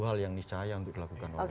hal yang niscaya untuk dilakukan